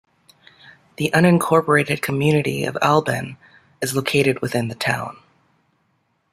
The unincorporated community of Alban is located within the town.